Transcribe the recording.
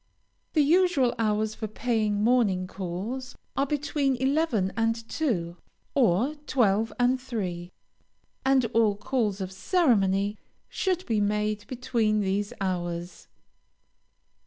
The usual hours for paying morning calls are between eleven and two, or twelve and three, and all calls of ceremony should be made between these hours.